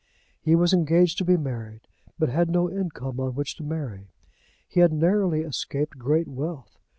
He was engaged to be married, but had no income on which to marry. He had narrowly escaped great wealth.